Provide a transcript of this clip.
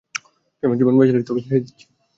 তুই আমার জীবন বাঁচিয়েছিলি বলে তোকে ছেড়ে দিচ্ছি।